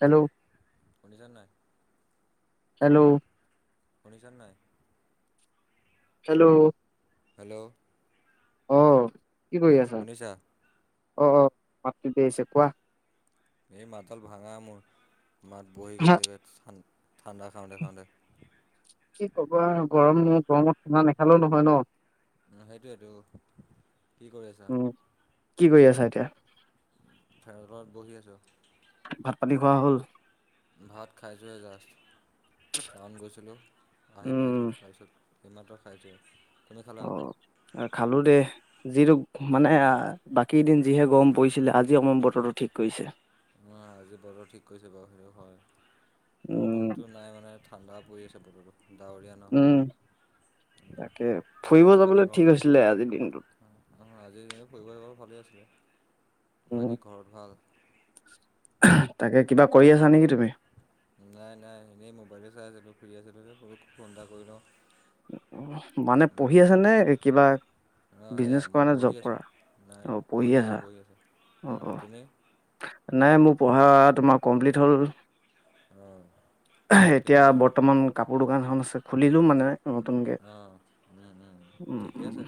Hello শুনিছান নাই? Hello শুনিছ নাই? হেল্ল' হেল্ল' অ', কি কৰি আছা? শুনিছা অ', [unintelligible] আহিছে কোৱা এই মাতডাল ভাঙা মোৰ, মাত বহি হা গৈছে গৈছে ঠাণ্ডা খাও তে খাও তে কি ক'বা গৰম গৰমত ঠাণ্ডা নাখালেও নহয় ন উ সেইটোয়েটো কি কৰি আছা? উম কি কৰি আছা এতিয়া ফেৰত তলত বহি আছো ভাত পাতি খোৱা হ'ল ভাত খাইছোঁহে জাষ্ট টাউন গৈছিলো আহি পাইছো উম তাৰপিছত [unintelligible] অ', খালো দে যিটো মানে বাকী দিন যিহে গৰম পৰি ছিলে, জি অকমান বতৰটো ঠিক কৰিছে উ, আজি বতৰ ঠিক কৰিছে বাৰু, সেই হয় উম বৰষুণতো নাই মানে ঠাণ্ডা পৰি আছে বতৰটো ডাৱৰীয়া ন উম, তাকে ফুৰিব ঘৰ বাকী যাবলৈ ঘৰ ঠিক হৈছিলে আজিৰ দিনটোত আজি ফুৰিবলৈ যাব ভালেই আছিলে, উম বাকী ঘৰত ভাল? তাকে, কিবা কৰি আছা নেকি তুমি? নাই, নাই, এনেই মোবাইলে চাই আছিলো, ফোন এটা কৰি লও মানে, পঢ়ি আছে নে কিবা সেয়া বিজনেছ কৰা মই নে পঢ়ি জব আছো, কৰা নাই অ পঢ়ি আছা আছো পঢ়ি আছো, অ উম, অ তুমি? নাই, মোৰ পঢ়া তোমাৰ কমপ্লিট হ'ল অঁ ঠিক এতিয়া, আছে বৰ্তমান কাপোৰ দোকান এ আছে, খুলিলো মানে নতুনকে আহ, উম, উম, ঠিকেই আছে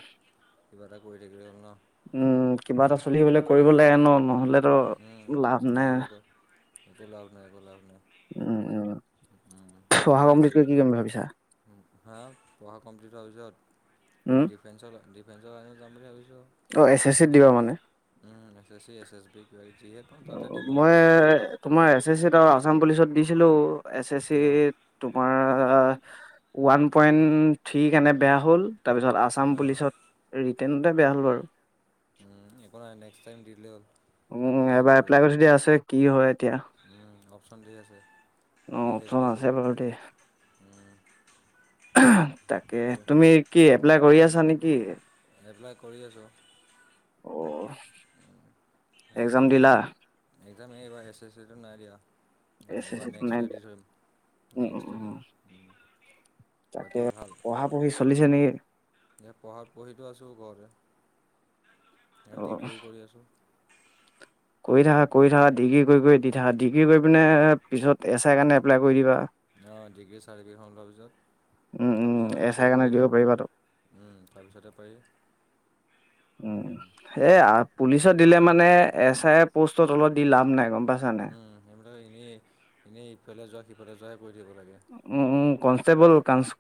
কিবা এটা কৰি থাকিলে হ'ল ন উম, কিবা এটা চলি বোলে কৰিব লাগে ন, নহলেতো উম, লাভ নাই নহ'বগৈ [unintelligible] নাই উম [unintelligible] ন [unintelligible] [unintelligible] কি কৰিম বুলি ভাবিছা হা পঢ়া কমপ্লিট হোৱাৰ পিছত, উম ডিফেন্সৰ ডিফেন্সৰ লাইন যাম বুলি ভাবিছোঁ উম অ এছ এছ চিত দিবা মানে এ, এছ -এছ- এছ বি কি মই, তোমাৰ এছ -এছ -চ আৰু আছাম পুলিচত দিছিলো এছ- এছ অঁ -চিত, তোমাৰ ওৱান পইণ্ট থ্ৰী কাৰণে বেয়া হ'ল তাৰপিছত, আছাম অঁ পুলিচত ৰিটাৰ্ণতে বেয়া হ'ল বাৰু উম, এই নেক্স টাইম দিল হ'ল উম, এবাৰ এপ্লাই কৰি থৈ দিয়া আছে কি হয় এতিয়া অপচন ঠিক আছে, অ দি অপচন থাকিলেই আছে হ'ল বাৰু দেই তাকে, তো তুমি কি এপ্লাই কৰি আছা নেকি? এপ্লাই কৰি আছো অ এ, এক্জাম দিলা [unintelligible] এছ এছট দিয়া আহ, এছ এছ এইবাৰ চিত নাই দিয়া উম উম উম তাকে, পঢ়া-পঢ়ি চলিছে নেকি? এ পঢ়াত পঢ়িতো আছো ঘৰতে, অ ডিগ্ৰীও কৰি আছো। কৰি থাকা, কৰি থাকা, ডিগ্ৰী কৰি কৰি দি থাকা। ডিগ্ৰী কৰি পিনে পিছত, এছ আইৰ কাৰণে এপ্লাই কৰি দিবা। অ', ডিগ্ৰীৰ চাৰ্টিফিকেট লোৱাৰ উম পিছত উম তাৰপিছতে, এছ আই কৰিব কাৰণে পাৰি দিব ধৰ। পাৰিবাতো উম, তাৰপিছতে পাৰি। উম, এ আ পুলিচত দিলে মানে, এছ আই এ পোষ্টৰ তলত দি লাভ নাই গম পাইছানে নাই? উম, সেইবিলাক এনেই, এনেই ইফালে যোৱা সিফালে যোৱা উম, উম, কনষ্টেবল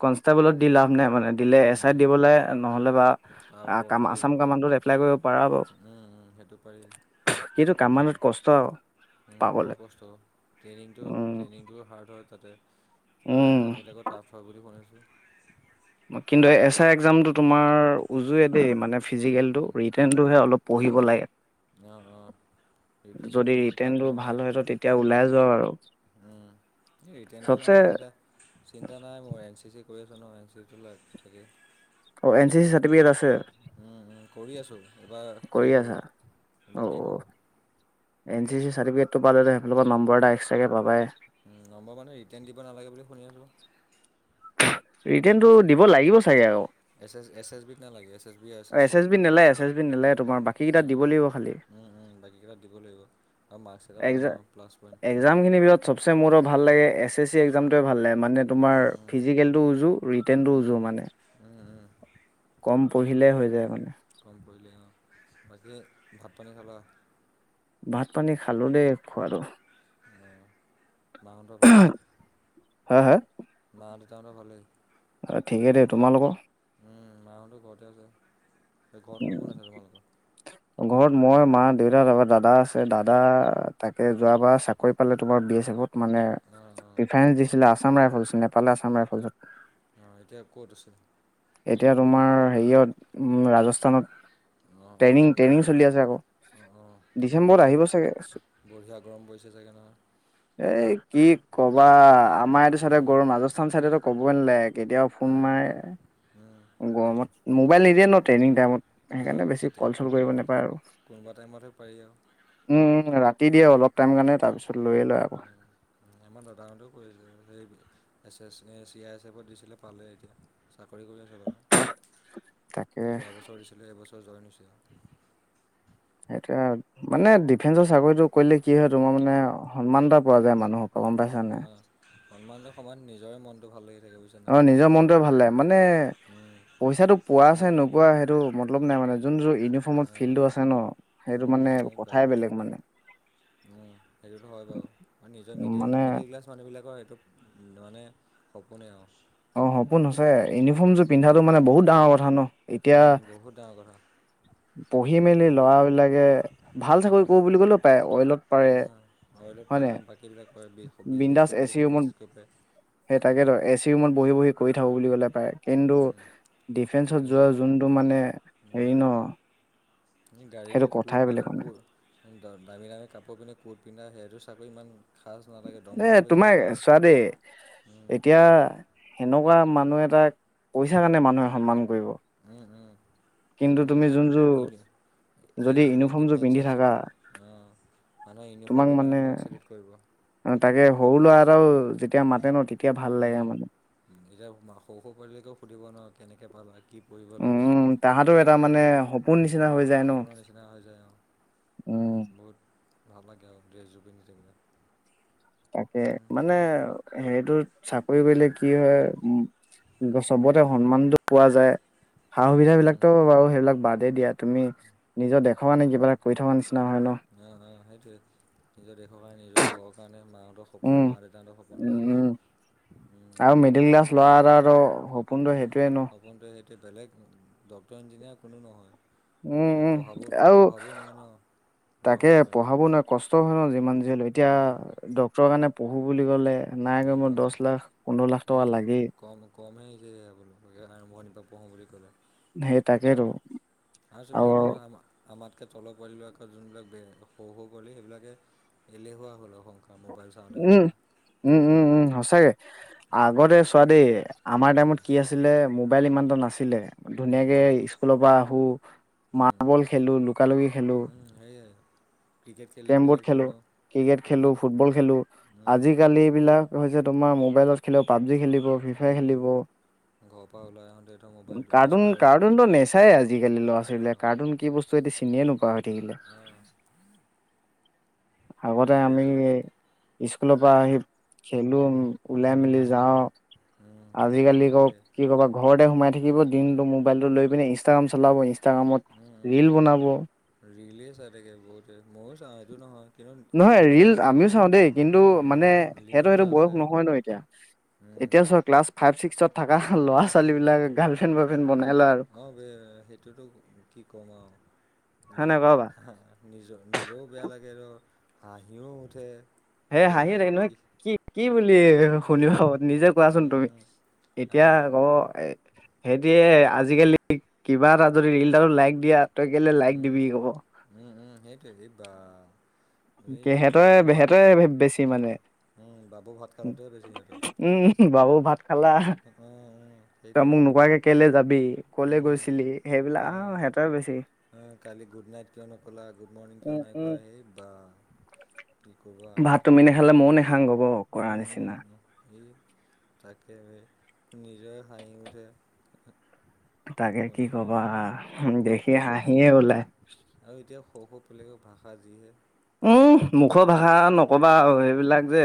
কনষ্টেবলত দি লাভ নাই মানে দিলে উম, এছ আইত উম, দিব লাগে, নহ'লে বা তাৰ ওপৰত কাম কি আছাম কামাণ্ডোত এপ্লাই কৰিব পৰিব, উম, উম, সেইটো পাৰি। কিন্তু উম, কামাণ্ডোত কষ্ট উম, পাবলে বৰ কষ্ট ট্ৰেইনিংটো উম ট্ৰেইনিংটো হাৰ্ড হয়। তাতে, উম এক্সামবিলাকো টাফ হয় বুলি শুনিছোঁ? কিন্তু, এচ আই এক্সামটো তোমাৰ [unintelligible] দেই মানে ফিজিকেলটো, উম, ৰিট্ৰেণটোহে অলপ পঢ়িব লাগে। অ', অ'। ফিজিকেল যদি ইমান টাফ ৰিট্ৰেনটো নহয়। ভাল হয়, ত' তেতিয়া ওলাই যোৱা আৰু। ৰিট্ৰেনটোৰ চবচে কাৰনে চিন্ত-চিন্তা নাই মোৰ, এন চি চি কৰি আছোঁ নহয়, এন চি চি টো লাগে। অ', এন চি চি চাৰ্টিফিকেট আছে? উম, উম, কৰি আছো। এইবাৰ কৰি শেষ হ'ব, আছা এইবাৰ শেষ হ'ব। এ চি চি চাটিফিকেটো পালে, তেওঁলোকৰ নাম্বৰ এটা এক্সট্ৰাকে পাবায়েই। উম, নম্বৰ মানে ৰিটাৰ্ণ দিব নালাগে বুলি শুনি আছোঁ। ৰিট্ৰেণটো এছ এছ দিব লাগিব চাগে আৰু? এছ এছ এছ এছ বিত নালাগে এছ এছ বি আৰু চিত। এছ এছ বি নালাগে, এছ এছ বি নালাগে। তোমাৰ, বাকী কেইটা উম, দিব লাগিব খালি। উম, উম, বাকী কেইটা দিব লাগিব। আৰু মাৰ্কছ এটা পায় ন প্লাছ পইণ্ট। এক্সাম-এক্সামখিনিৰ ভিতৰত চবচে মোৰ ভাল লাগে, এছ এছ চি এক্সামটোৱে ভাল লাগে। মানে তোমাৰ, উম, ফিজিকেলটো উজু ৰিট্ৰেৰ্টো উম, উম, উজু মানে, উম, উম, কম উম, পঢ়িলেই হৈ যায় মানে। গম পৰিলে বাকী, ভাত পানী খালা? ভাত-পানী খালো দেই খোৱাটো। মাঁহতৰ ভালেই। হা? হা? মা দেউতাহঁতৰ ভালেই। ঠিকে দে তোমালোকৰ। উম, মাঁহতো ঘৰতে আছে। এই ঘৰত কোন কোন আছে তোমালোকৰ উম, ঘৰত মই, মা, দেউতা তাৰপৰা দাদ দাদা আছে, দাদা তাকে যোৱাবাৰ চাকৰি পালে তোমাৰ বি এ। [unintelligible] মানে অঁ অঁ প্ৰিফাৰেন্স দিছিলে, আছাম ৰাইফলছ নেপালে আছাম ৰাইফলছত। অ', এতিয়া ক'ত আছে? এতিয়া তোমাৰ, হেৰিয়ত ৰাজস্থানত। ট্ৰেইনিং, ট্ৰেইনিং চলি আছে আকৌ। অ', অ', তাতো ডিচেম্বৰত আহিব চাগে বঢ়ি-বঢ়িয়া গৰম পৰিছে চাগে নহয়? এ কি কবা, আমাৰ এইটো চাইডে অঁ গৰম ৰাজস্থান চাইডেটো ক'বই নালাগে, কেতিয়াবা ফোন অঁ মাৰে। গৰমত, মোবাইল নিদিয়ে নহয় ট্ৰেইনিং টাইমত। সেইকাৰণে, অঁ বেছি কেতিয়া কল চল কোন কৰিব নেপায় আৰু। কোনোবা টাইমতহে পাৰি আৰু উম, ৰাতি দিয়ে অলপ টাইমৰ কাৰণে। তাৰপিছত, লৈয়ে লয় আকৌ। আমাৰ দাদাহঁতেও কৰি আছে, সেই এ চি আই এছ এফত দিছিলে পালে এতিয়া। চাকৰি কৰি আছে বাৰু, তাকে যোৱা বছৰ দি এই বছৰ জইন হৈছে। সেইটোয়ে, মানে ডিফেন্সৰ চাকৰিটো কৰিলে কি হয় তোমাৰ মানে সন্মান এটা পোৱা যায় মানুহক সন্মান-সন্মান এটা পালে নিজৰে মনটো ভাল লাগি থাকে বুজিছা নাই অ', নিজৰ মনটোয়ে ভাল লাগে, মানে উম, পইচাটো পোৱাছাই নোপোৱা সেইটো ম লগ নাই মানে যোন যোৰ ইউনিফৰ্মত ফিল্টো আছে ন সেইটো উম, মানে এই বা কথাই বেলেগ মানে। উম, সেইটোতো হয় বাৰু আৰু নিজৰ মিডিল মানে মিডিল ক্লাছ মানুহবিলাকৰ সেইটো মানে সপোনে আৰু। অ', সপোন সচাঁয়ে। ইউনিফৰ্ম যোৰ উম, পিন্ধাটো মানে বহুত ডাঙৰ কথা ন। এতিয়া উম, বহুত ডাঙৰ কথা পঢ়ি মেলি বহুত ল'ৰাবিলাকে ভাল চাকৰি উম, কৰো বুলি ক'লেও পাৰে অইলত পাৰে। অ, অইলত পাৰে বাকীবিলাক পাৰে বিজনেছ বিন্দাস কৰিম বুলি এচি কয় ৰুমত বিজনেছ কৰিব পাৰে সেই উম। তাকেতো এচি ৰুমত বহি বহি কৰি থাকো বুলি ক'লে পাৰে। কিন্তু ডিফেন্সত যোৱা যোনটো মানে হেৰি ন। গাড়ী সেইটো লৈ কথাই বেলেগ মানে [unintelligible] অ', দামী দামী কাপোৰ পিন্ধা কোৰ্ট পিন্ধ সেইটো চাকৰি ইমান খাচ নালাগে এ দৰমহা বেছি হ'ব তোমাৰ পাৰে। চোৱা দেই উম, এতিয়া সেনেকুৱা মান মানুহে এটাক পইচা কাৰণে মানুহে সন্মান কৰিব। উম, উম। কিন্তু আমাৰ তুমি যোন যোৰ এইবিলাক ডিফেন্সৰ আছিল অ'। তোমাক মানে তাকে সৰু ল'ৰা এটাও যেতিয়া মাতে ন তেতি উম, এতিয়া সৰু সৰু পোৱালিবিলাকেও সুধিব ন কেনেকৈ পালা কি কৰিব লাগে উম তাহাঁতৰ সেইবিলাক এটা কৰে। মানে সপোন নিচিনা উম হৈ যায় ন সপোনৰ নিচিনা হৈ যায় অ'। উম বহুত ভাল লাগে আৰু ড্ৰেছ যোৰ পিন্ধি থাকিলে। তাকে উম, মানে সেয়াই। সেইটো চাকৰি কৰিলে কি হয় উম চবতে সন্মানতটো পোৱা যায়। সা উম, উম। সুবিধাবিলাকতো বাৰু সেইবিলাক বাদেই দিয়া। তুমি নিজৰ দেশৰ কাৰণে কিবা এটা কৰি থকা নিচিনা হয় ন অ', অ', সেইটোয়ে নিজৰ দেশৰ কাৰণে নিজৰ ঘৰৰ কাৰণে ম নিজৰ উম সপোন মা দেউতাহঁতৰ সপোন উম উম সেইয়ায়ে। উম মিডিল ক্লাছ ল'ৰা আৰু সপোনটো সেইটোয়ে ন। এতিয়া বেলেগ ডক্টৰ ইঞ্জিনিয়াৰ কোনো নহয়। উম, আৰু পঢ়াব উম আৰু পঢ়াবও নোৱাৰে ন ঘৰৰ তাকে মানুহবিলাকে পঢ়াব নোৱাৰে কষ্ট হয় ন যিমান বুজিলো। এতিয়া উম ডক্টৰৰ কাৰণে পঢ়ো বুলি ক'লে নাই এই বা কমেও দহ লাখ পোন্ধৰ লাখ টকা লাগেই। কমেই হৈছে আপোনোৰ আৰম্ভণিৰ পৰা পঢ়োঁ বুলি ক'লে। সেই তাকেতো। আৰু [inaudible] আমাতকৈ তলৰ পোৱালিবিলাক যোনবিলাক বে সৰু সৰু পোৱালি সেইবিলাকে এলেহুৱা হ'ল মোবাইল চাওঁতে উম চাওঁতে। উম, উম, উম, সচাকে। উম আগতে চোৱা দেই আমাৰ টাইমত কি উম আছিলে মোবাইল ইমান ইমানতা নাছিলে। উম উম ধুনীয়াকে উম স্কুলৰ পৰা আহো। মাৰ্বল খেলো লুকা লুকি খেলো। উম উম সেয়াই ক্ৰিকেট খেলাই কেৰম বৰ্ড ক্ৰিকেট খেলো ক্ৰিকেট খেলো ফুটবল খেলো আজিকালি এইবিলাক হৈছে তোমাৰ মোবাইলত খেলিব পাবজি খেলি ফ্ৰী ফাই খেলিব। [inaudible] কাৰ্টুন স্কুলৰ কাৰ্টুনটো নেচায়ে আজিকালি ল'ৰা অঁ ছোৱালীবিলাক। কাৰ্টুন কি বস্তু সিহঁতে চিনিয়ে নোপোৱা হৈ থাকিলে। [inaudible] অঁ আগতে আমি সেইটোৱেইটো স্কুলৰ পৰা আহি খেলো ওলাই মেলি যাওঁ। আজিকালি আকৌ সেইটোৱে কি কবা ঘৰতে সোমাই থাকিব দিনটো মোবাইলটো লৈ পিনে ইনষ্টাগ্ৰাম চলাব ইানষ্টগ্ৰামত ৰীল বনাব। ৰীলে চাই থাকে বহুতে, ময়ো চাওঁ এইটো নহয় কিন্তু লিমিট থাকে ন। চা দেই কিন্তু মানে সিহঁতৰ লিমিট সেইটো এটা বয়স আছে নহয় ন এতিয়া। এতিয়া চ ক্লাছ ফাইভ ছিক্সত থকা লৰা ছোৱালী বিলাক গাৰ্ল ফ্ৰেণ্ড, বয় ফ্ৰেণ্ড বনাই। লয় আৰু অ, ব সেইটোতো কি কম হয় আৰু। নাই বাৰু বা? নিজৰ, নিজেও বেয়া লাগে ধ হাঁহিও উঠে। হে হাঁহি ৰাই নহয় কি কি বুলি। শুনিব পাব নিজে কোৱাচোন তুমি এতিয়া কব আৰু এ সেইটয়ে আজিকালি কিবা এটা যদি ীল এটাটো লাইক দিয়াত। তই কেলে লাইক দিবি আকৌ। উম, উম, সেইটোৱে এই বা, এই সেহেঁতৰ বাবু ভাত সেহেঁতে বেছি উম, মানে। উম, বাবু ভাত খালাটোৱে বেছি সিহঁতৰ। উম, বাবু ভাত খালা। উম, উম, তই সেইটোৱে মোক নোকোৱাকে কেলে যাবি ক'লে উম, গৈছিলি। সেইবিলাক আহ উম। সিহটে বেছি। কালি গুড নাইট কিয় নক'লা গুড মৰ্ণিং কিয় উম নাই উম কোৱা হেই বা। কি ক'বা। ভাত তুমি নেখালে ময়ও নাখাওঁ গব কৰ নিচিনা। স, তাকে নিজৰ হাঁহি উঠে। তাকে কি শুনি শুনি। কবা, আৰু দেখি সৰু সৰু হাঁহিয়ে ওলায়। আকুলক ভাষা যিহে। উম, মুখৰ হুম, ভাষা নকবা আৰু হুম, সেইবিলাক যে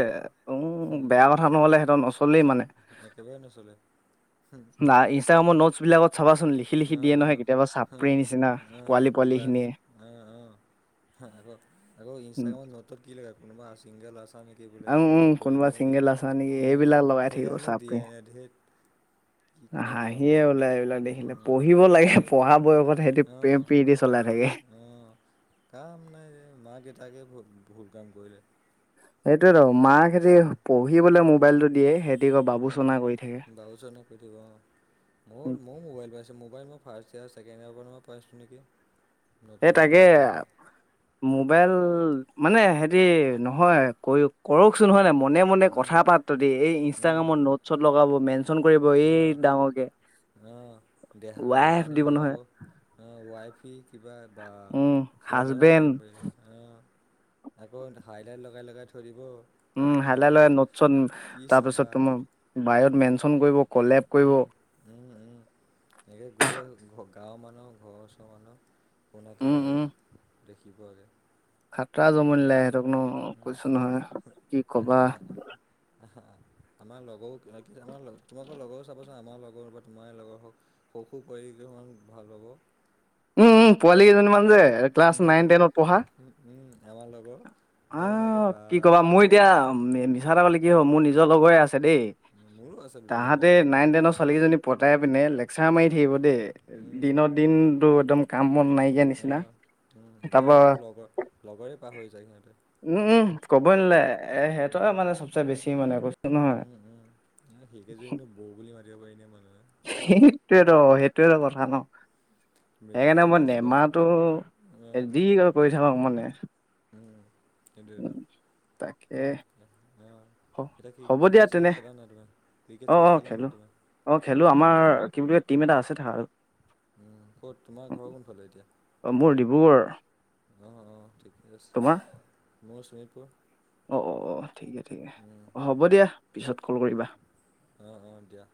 উম হুম, বেয়া কথা নহ'লে সিহঁতৰ নচ একেবাৰে নচ'লে। হুম। নাই ইনষ্টাগ্ৰামৰ নোটছ বিলাকত। চাবাচোন লিখি লিখি অ', দিয়ে নহয় অ', কেতিয়াবা চাপৰে অ', নিচিনা অ', পোৱালি পোৱালি কিবা খিনিয়ে। অ', অ'। আকৌ, আকৌ উম, ইনষ্টাগ্ৰামত নতৰ কি লে কোনোবা আ নেকি বোলে উম, কোনোবা পবা নেকি চিংগল আছা নেকি সেইবিলাক লগাই থাকিব সেয়নো চাপৰি। দিয়েনে ধেত। কি ক'ম আৰু হাঁহিয়ে মই। ওলাইলাই দেখিলে প উম, পঢ়িব লাগে ধেত পঢ়া বয়সত সেইটো প্ৰেম অ', প্ৰীতি চলাই থাকে। অ'। কাম নাই যে, মাক কেইটাকে বুত ভুল কাম কৰিলে। সটোয়েেতো মাক উম, সিহঁতি পঢ়িবলে মোবাইলতটো দিয়ে, সিহঁতি ক বাবু চনা কৰি থাকে। বাবো চনা, মোৰ ম মোবাইল পাইছে মোবাইল মই ফাৰ্ষ ইয়াৰছেকেণ্ অ, পাইিছোঁ নেকি। নতুন সেই তাকে মোবাইল বুলি কিবা মোবাইল। মানে হে নহয়, কৰকচোন নহয় নাই মই মনে মনে উম, কথা পাত্ৰ দ এই উম, ইনষ্টাগ্ৰামত নোট শত লগাব মেনচন কৰিব এই ডাঙৰকে। অহ, দেহা, ৱাইফ গোসানি দিব লগাব নহয় আহ ৱাই ফি কিবা বা উম সিহঁতৰহে হাজবেণ্ড পাৰিম বুলি। আকৌ হাইলাইট লগাই লগাই থৈ দিব। উম, হাল ল ৰাম নোটছত কি তাৰ পিছত চাবা তোমাৰ বাইও ত মেনচন কৰিব। কলেপ কৰিব উম, উম, উম, এই গোটেই। গাঁৱৰ মানুহক ঘৰৰ ওচৰৰ মানুহ কোোনাকে উম উম লগাব দেখিবাগৈ। খাতৰা জনম দিলে সিহঁতক ন উম কৈছো নহয় কি ক'বা। আমাৰ লগৰো, আমাৰ লগ তোমাকো লগৰ। চাব চোন আমাৰ লগৰ বা তোমাৰ লগৰ হওক স সুখ কৰি কিছমান ভাল হ'ব। উম, পোৱালি কেইজনীমান যে ক্লাছ উম, নাইন টেনত পঢ়া। উম, উম আমাৰ লগৰ অ, দুটামানে একে বা কি কবা মোৰ এতিয়া মিছাতে বুলি কি হ'ব মোৰ নিজৰ লগৰে আছে। দেই, মোৰো আছে দুটামান তাহাতে লগৰ নাইন তেনৰ ছোৱালী কেইজনী পতাই পিনে। লেকচাৰ মাৰি উম থাকিব দ দিনত দিন একম কা উ, উম, এতিয়া সহৰ লগৰ লগৰে পাহৰি যায় সিহঁতে। উ, ক'বই নিলে এ সিহঁতৰ উম মানে চবচে বেছি মানে কৈছো নহয়। সেইকেইযোৰ কিন্তু বৌ বুলি মাতিব পাৰি ন মানুহে। সেইটোয়ে কথা ন। সেইকাৰণে মেট্ৰিকেই মই পাছ কৰা নাই নেমাহটো অ যি কৰে কৰি থাকক মানে। এইটো এইটো। উম, তাকে। হ এতিয়া কি হ'ব দিয়া ক্ৰিকেট তেনে চিকেট খেলা নাই তুমি? অ ক্ৰিকেট অ চিকেট খেলা খেলো নাই তুমি? অ' খেলোঁ আমাৰ কি বুলি টিম এটা আছে তাত। উম, ক'ত তোমাৰ ঘৰৰ কোনফালে এতিয়া? মোৰ ডিব্ৰুগড় অ', অ' ঠিকে আছে। তোমাৰ মোৰ শোণিতপুৰ। অ', অ', অ' ঠিকে ঠিকে। উম অ' হ'ব দিয়া পিছত কল কৰিবা। অ', অ' দিয়া।